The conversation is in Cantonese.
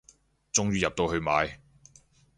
終於入到去買